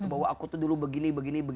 bahwa aku tuh dulu begini begini